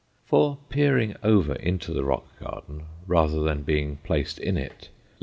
For peering over into the rock garden, rather than being placed in it, _L.